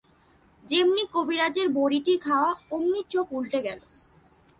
যেমনি কবিরাজের বড়িটি খাওয়া অমনি চোখ উলটে গেল।